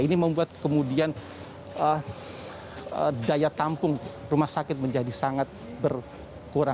ini membuat kemudian daya tampung rumah sakit menjadi sangat berkurang